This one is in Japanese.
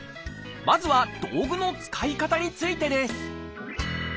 まずは道具の使い方についてです